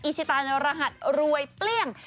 ชิตานรหัสรวยเปรี้ยง